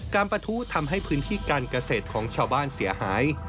ประทุทำให้พื้นที่การเกษตรของชาวบ้านเสียหาย